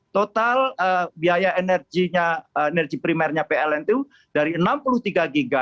total biaya energi primernya pln itu dari enam puluh tiga giga